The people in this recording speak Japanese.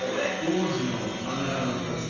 ５文字の真ん中の２つというか。